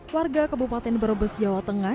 warga kabupaten brebes jawa tengah